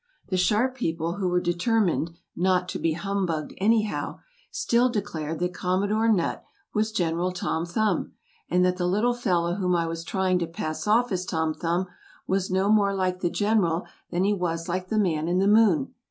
The sharp people who were determined "not to be humbugged, anyhow," still declared that Commodore Nutt was General Tom Thumb, and that the little fellow whom I was trying to pass off as Tom Thumb, was no more like the General than he was like the man in the Moon.